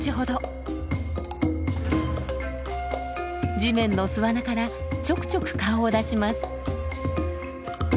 地面の巣穴からちょくちょく顔を出します。